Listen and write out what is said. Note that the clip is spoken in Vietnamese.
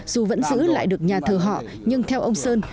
dù vẫn giữ lại được nhà thờ họ nhưng theo ông sơn